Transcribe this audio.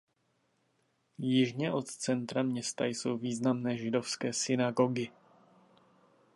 Jižně od centra města jsou významné židovské synagogy.